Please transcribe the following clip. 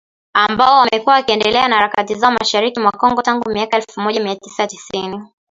Ambao wamekuwa wakiendesha harakati zao mashariki mwa Kongo tangu miaka ya elfu moja mia tisa tisini.